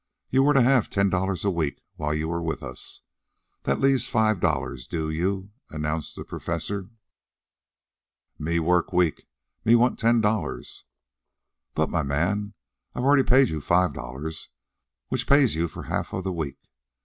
You were to have ten dollars a week while you were with us. That leaves five dollars due you," announced the Professor. "Me work week. Me want ten dollars." "But, my man, I've already paid you five dollars, which pays you for half of the week.